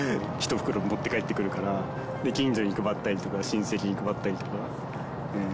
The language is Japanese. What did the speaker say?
１袋持って帰ってくるから近所に配ったりとか親戚に配ったりとか。